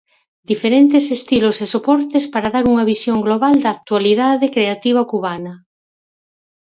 Diferentes estilos e soportes para dar unha visión global da actualidade creativa cubana.